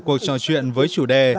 cuộc trò chuyện với chủ đề